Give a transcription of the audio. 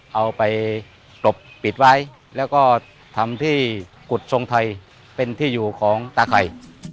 เอาไปกลบปิดไว้แล้วก็ทำที่กุฎทรงไทยเป็นที่อยู่ของตาไข่